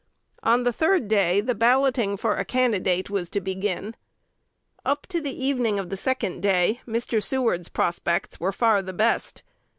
On the third day the balloting for a candidate was to begin. Up to the evening of the second day, Mr. Seward's prospects were far the best.